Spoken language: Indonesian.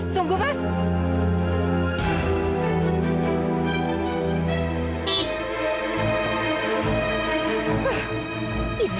tunggu maafin lah